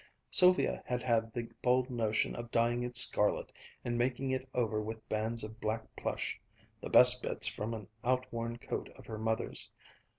Sylvia had had the bold notion of dyeing it scarlet and making it over with bands of black plush (the best bits from an outworn coat of her mother's).